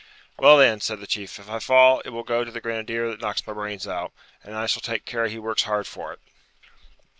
'Well, then,' said the Chief, 'if I fall, it will go to the grenadier that knocks my brains out, and I shall take care he works hard for it.'